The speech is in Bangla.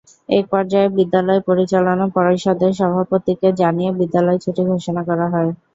একপর্যায়ে বিদ্যালয় পরিচালনা পরিষদের সভাপতিকে জানিয়ে বিদ্যালয় ছুটি ঘোষণা করা হয়।